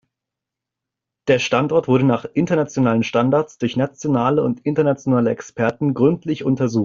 Der Standort wurde nach internationalen Standards durch nationale und internationale Experten gründlich untersucht.